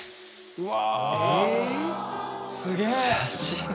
うわ。